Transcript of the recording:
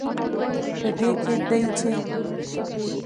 په دې کې دی، چې